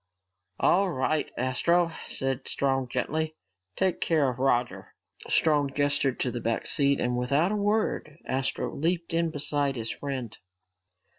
"All right, Astro," said Strong gently, "take care of Roger." Strong gestured to the back seat and without a word Astro leaped in beside his friend.